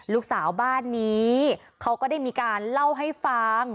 ลูกสาวบ้านนี้เขาก็ได้มีการเล่าให้ฟัง